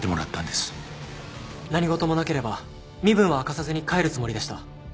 何事もなければ身分は明かさずに帰るつもりでした。